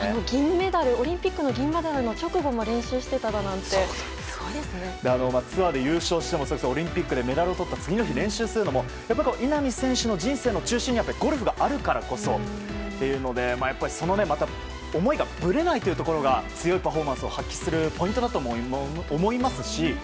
オリンピックの銀メダルの直後も練習してただなんてツアーで優勝してもオリンピックでメダルをとった次の日、練習するのもやっぱり稲見選手の人生の中心にゴルフがあるからこそというのでその思いがぶれないというところが強いパフォーマンスを発揮するポイントだとも思いますし